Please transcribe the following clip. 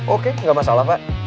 oke gak masalah pak